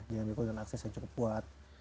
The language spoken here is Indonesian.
jaringan backbone dan akses yang cukup kuat